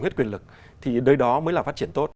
hết quyền lực thì nơi đó mới là phát triển tốt